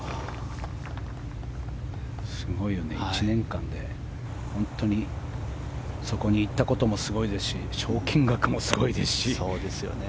すごいよね１年間で本当にそこに行ったこともすごいですし賞金額もすごいですし。